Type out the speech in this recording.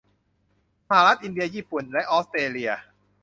สหรัฐ อินเดีย ญี่ปุ่น และออสเตรเลีย